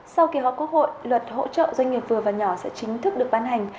sau kỳ họp quốc hội luật hỗ trợ doanh nghiệp vừa và nhỏ sẽ chính thức được ban hành